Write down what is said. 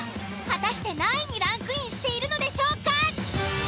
果たして何位にランクインしているのでしょうか？